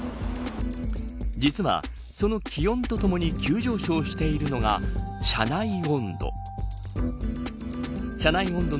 実は、その気温とともに急上昇しているのが車内温度。